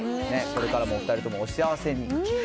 これからもお２人ともお幸せに。